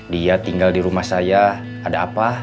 dia tinggal di rumah saya ada apa